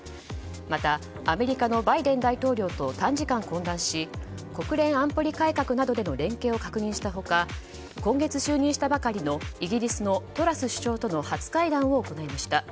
また、アメリカのバイデン大統領と短時間、懇談し国連安保理改革などでの連携を確認した他今月就任したばかりのイギリスのトラス首相との初会談を行いました。